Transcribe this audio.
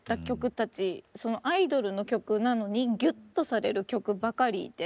アイドルの曲なのにギュッとされる曲ばかりで。